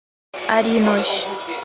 Arinos